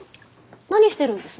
何してるんです？